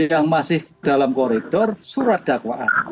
yang masih dalam koridor surat dakwaan